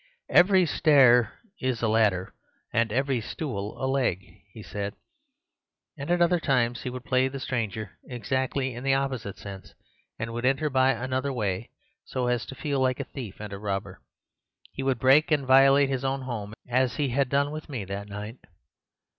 Every stair is a ladder and every stool a leg, he said. And at other times he would play the stranger exactly in the opposite sense, and would enter by another way, so as to feel like a thief and a robber. He would break and violate his own home, as he had done with me that night.